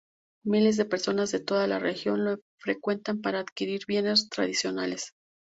Miles de personas de toda la región lo frecuentan para adquirir bienes tradicionales.